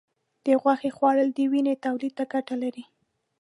د غوښې خوړل د وینې تولید ته ګټه لري.